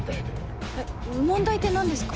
えっ問題って何ですか？